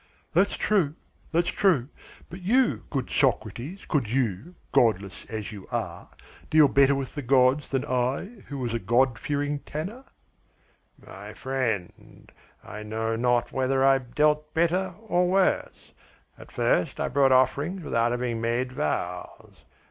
"That's true, that's true. But you, good Socrates, could you, godless as you are, deal better with the gods than I who was a god fearing tanner?" "My friend, I know not whether I dealt better or worse. At first I brought offerings without having made vows.